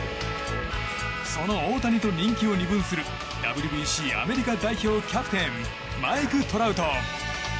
その大谷と人気を二分するＷＢＣアメリカ代表キャプテンマイク・トラウト。